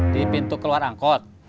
di pintu keluar angkot